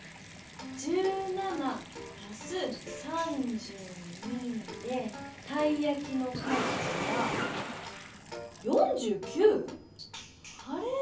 １７たす３２でたいやきの数は４９⁉あれ？